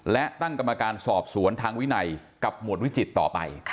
และตั้งกรรมการสอบสวนทางวินัยกับหมวดวิจิตรต่อไป